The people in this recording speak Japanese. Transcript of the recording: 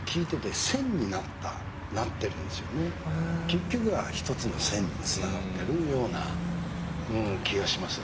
結局は一つの線につながっているようなうん気がします。